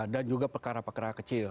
dan juga perkara perkara kecil